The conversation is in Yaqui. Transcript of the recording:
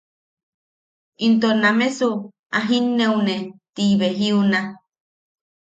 Into “namesu a jinne’une ti ji be jiuna”.